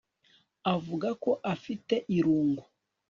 avuga ko afite irungu